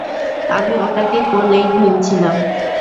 আমি ওটাকে কোল-এইড ভেবেছিলাম।